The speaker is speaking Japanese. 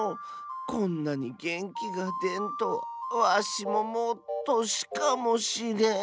こんなにげんきがでんとはわしももうとしかもしれん。